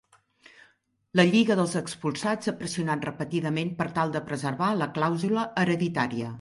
La Lliga dels Expulsats ha pressionat repetidament per tal de preservar la clàusula hereditària.